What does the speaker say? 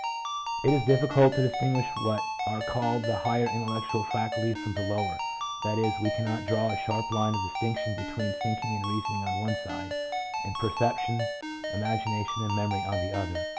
It is difficult to distinguish what are called the higher intellectual faculties from the lower — that is, we cannot draw a sharp line of distinction between thinking and reasoning on one side, and perception, imagination, and memory on the other.